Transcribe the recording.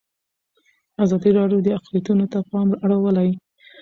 ازادي راډیو د اقلیتونه ته پام اړولی.